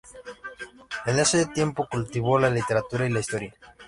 En este tiempo cultivó la literatura y la historia.